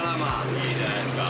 いいじゃないっすか。